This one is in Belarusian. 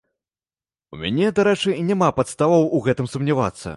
У мяне, дарэчы, няма падставаў у гэтым сумнявацца.